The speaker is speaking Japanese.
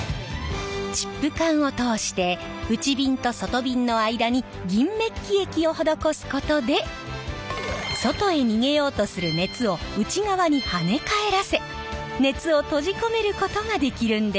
チップ管を通して内びんと外びんの間に銀メッキ液を施すことで外へ逃げようとする熱を内側に跳ね返らせ熱を閉じ込めることができるんです！